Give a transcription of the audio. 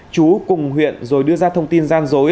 chú cùng huyện rồi đưa ra thông tin gian dối